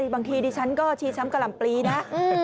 บางทีดิฉันก็ชีช้ำกะหล่ำปลีนะ